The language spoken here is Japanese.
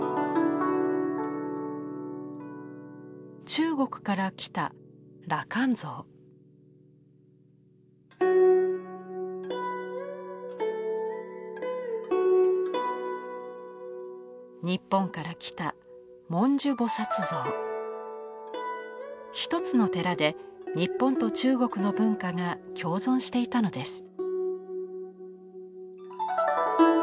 中国から来た日本から来た一つの寺で日本と中国の文化が共存していたのです。